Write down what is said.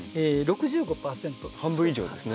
半分以上ですね。